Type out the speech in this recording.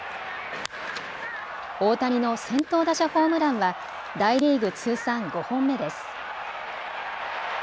大谷の先頭打者ホームランは大リーグ通算５本目です。